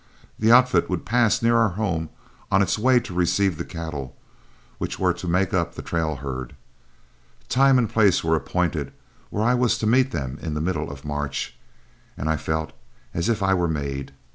The outfit would pass near our home on its way to receive the cattle which were to make up the trail herd. Time and place were appointed where I was to meet them in the middle of March, and I felt as if I were made.